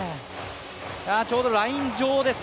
ちょうどライン上です。